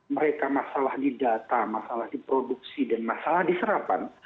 mereka masalah di data masalah di produksi dan masalah di serapan